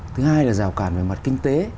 thứ hai là rào cản về mặt kinh tế